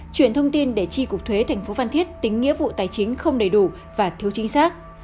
chuyển thông tin để tri cục thuế thành phố phan thiết tính nghĩa vụ tài chính không đầy đủ và thiếu chính xác